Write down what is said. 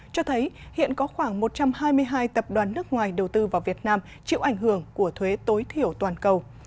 cho thấy hiện có khoảng một trăm hai mươi hai tập đoàn nước ngoài đầu tư vào việt nam chịu ảnh hưởng của thuế tối thiểu toàn cầu